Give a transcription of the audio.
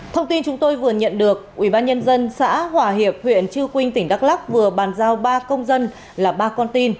thông tin chúng tôi vừa nhận được ubnd xã hòa hiệp huyện chư quynh tỉnh đắk lắc vừa bàn giao ba công dân là ba con tin